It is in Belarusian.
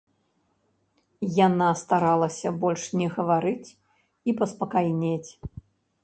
Яна старалася больш не гаварыць і паспакайнець.